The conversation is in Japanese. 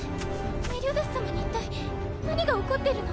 メリオダス様に一体何が起こってるの？